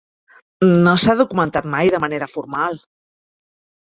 No s'ha documentat mai de manera formal.